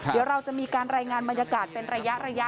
เดี๋ยวเราจะมีการรายงานบรรยากาศเป็นระยะ